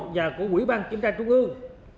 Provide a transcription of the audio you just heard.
và của quỹ ban kiểm tra trung ương